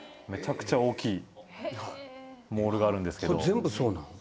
めちゃくちゃ大きいモールがあるんですけど。